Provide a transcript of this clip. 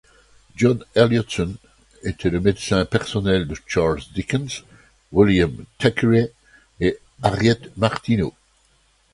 John Elliotson était le médecin personnel de Charles Dickens, William Thackeray et Harriet Martineau.